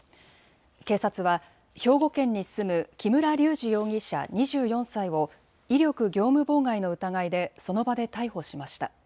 警察は兵庫県に住む木村隆二容疑者、２４歳を威力業務妨害の疑いでその場で逮捕しました。